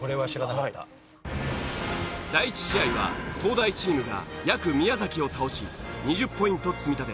第１試合は東大チームがやく宮崎を倒し２０ポイント積み立て。